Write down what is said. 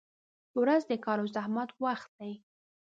• ورځ د کار او زحمت وخت دی.